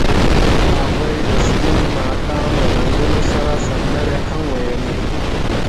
هغوی د سپین ماښام له رنګونو سره سندرې هم ویلې.